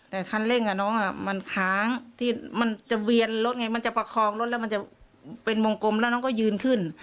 แต่คันเร่งกับน้องมันค้างที่มันจะเวียนรถไงมันจะประคองรถแล้วมันจะเป็นวงกลมแล้วน้องก็ยืนขึ้น